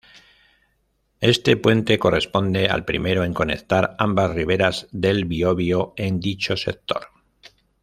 Este puente corresponde al primero en conectar ambas riveras del Biobío en dicho sector.